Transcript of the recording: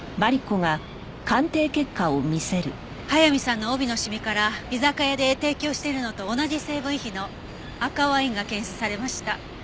速水さんの帯の染みから居酒屋で提供しているのと同じ成分比の赤ワインが検出されました。